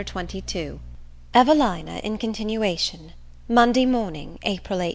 LETTER XXII EVELINA IN CONTINUATION Monday Morning, April 18.